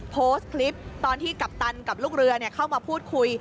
โพสต์คลิปตอนที่กัปตันกับลูกเรือเข้ามาพูดคุย